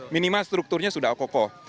minimal strukturnya sudah okok ok